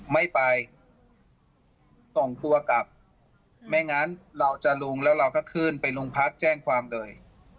ไม่ไปส่งตัวกลับไม่งั้นเราจะลุงแล้วเราก็ขึ้นไปโรงพักแจ้งความเลย